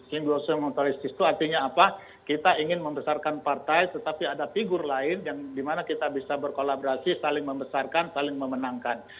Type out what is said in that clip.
simbolisme mutualistis itu artinya apa kita ingin membesarkan partai tetapi ada figur lain yang dimana kita bisa berkolaborasi saling membesarkan saling memenangkan